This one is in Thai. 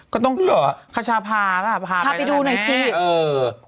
ก็ต้องหรอขชาพาร่ะพาไปดูหน่อยแม่พาไปดูหน่อยสิเออ